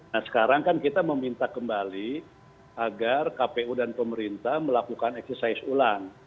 nah sekarang kan kita meminta kembali agar kpu dan pemerintah melakukan eksersis ulang